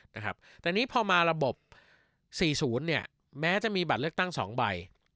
นะครับแต่นี้พอมาระบบสี่ศูนย์เนี้ยแม้จะมีบัตรเลือกตั้งสองใบ